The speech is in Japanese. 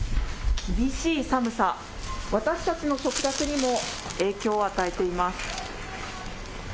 厳しい寒さ、私たちの食卓にも影響を与えています。